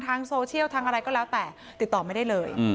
ทางโซเชียลก็ติดต่อไม่ได้เลย